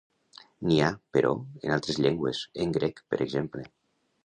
N'hi ha, però, en altres llengües, en grec, per exemple.